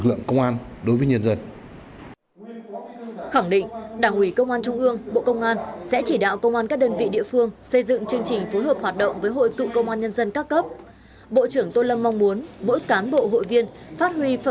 công an nhân dân vì nước quên thân vì dân phục vụ